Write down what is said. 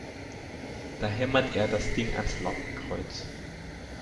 Da hämmert er das Ding ans Lattenkreuz!